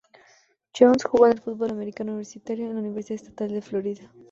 Jones jugó en el Fútbol americano universitario en la Universidad Estatal de Florida.